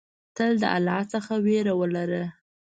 تل د الله ج څخه ویره ولره.